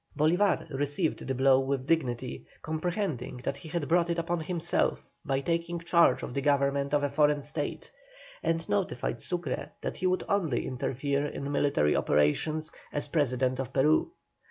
Bolívar received the blow with dignity, comprehending that he had brought it upon himself by taking charge of the government of a foreign state, and notified Sucre that he would only interfere in military operations as President of Peru.